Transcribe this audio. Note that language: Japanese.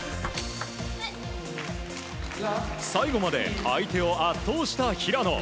最後まで相手を圧倒した平野。